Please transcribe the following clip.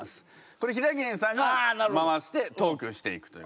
これひらげんさんが回してトークしていくという。